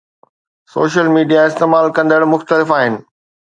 social media استعمال ڪندڙ مختلف آهن